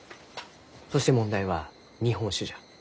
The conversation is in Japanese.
そして問題は日本酒じゃ。